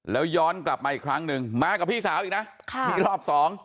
แล้วย้อนกลับมาอีกครั้งหนึ่งมากับพี่สาวอีกนะค่ะนี่รอบสอง